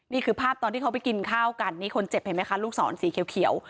นี่คือภาพตอนที่เขาไปกินข้าวกันนี่คนเจ็บเห็นไหมคะลูกศรสีเขียว